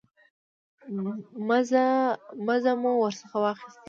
مزه مو ورڅخه واخیسته.